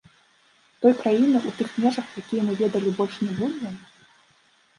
Той краіны, у тых межах, якія мы ведалі, больш не будзе?